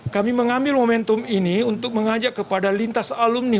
kami mengambil momentum ini untuk mengajak kepada lintas alumni